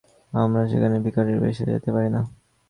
আমরা সেখানে ভিখারীর বেশে যেতে পারি না।